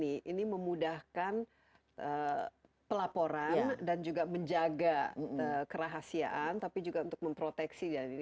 ini memudahkan pelaporan dan juga menjaga kerahasiaan tapi juga untuk memproteksi dari